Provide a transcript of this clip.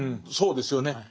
そうですよね。